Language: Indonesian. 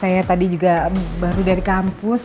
saya tadi juga baru dari kampus